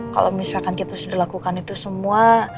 kalau misalkan kita sudah lakukan itu semua